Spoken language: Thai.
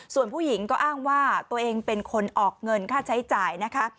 ส่วนผู้หญิงก็อ้างว่าตัวเองเป็นคนออกเงินค่าใช้จ่ายนะคะ